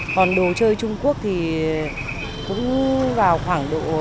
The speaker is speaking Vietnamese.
còn đồ chơi trung quốc thì cũng vào khoảng độ